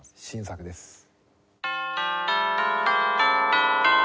新作です。